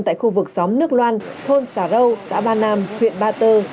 tại khu vực xóm nước loan thôn xà râu xã ba nam huyện ba tơ